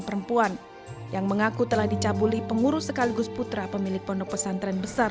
perempuan yang mengaku telah dicabuli pengurus sekaligus putra pemilik pondok pesantren besar